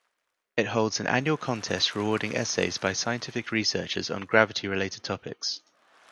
It holds an annual contest rewarding essays by scientific researchers on gravity-related topics.